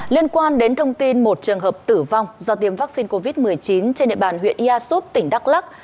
liên quan đến thông tin một trường hợp tử vong do tiêm vaccine covid một mươi chín trên địa bàn huyện ia súp tỉnh đắk lắc